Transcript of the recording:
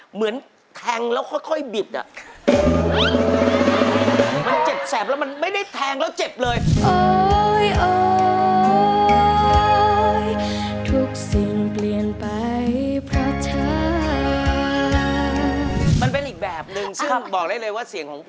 เหมือนแทงแล้วก็ค่อยบิบ